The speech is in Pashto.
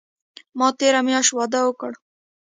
ما تیره میاشت واده اوکړ